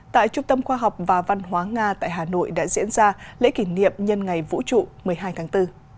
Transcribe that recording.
tại trung tâm khoa học và văn hóa nga tại hà nội đã diễn ra lễ kỷ niệm nhân ngày vũ trụ một mươi hai tháng bốn